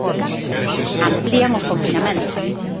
Amplían os confinamentos.